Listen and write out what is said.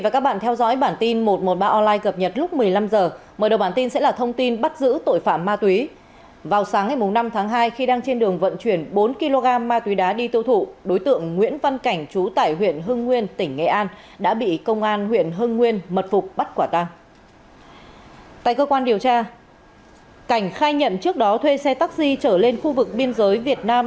cảnh khai nhận trước đó thuê xe taxi trở lên khu vực biên giới việt nam